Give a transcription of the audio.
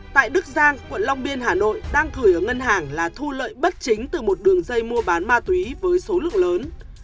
tại đức giang quận long biên hà nội đang cười ở ngân hàng là thu lợi bất chính từ một đường dây mua bán ma túy với số lượng lớn